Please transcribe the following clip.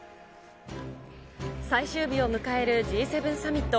最終日を迎えるＧ７サミット。